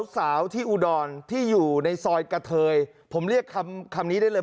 สาวที่อุดรที่อยู่ในซอยกระเทยผมเรียกคำนี้ได้เลย